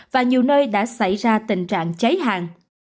và nhiều nơi đã xảy ra tình trạng cháy hàng